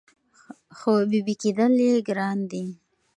خو بېبي کېدل یې ګران دي